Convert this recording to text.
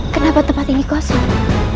kenapa tempat ini kosong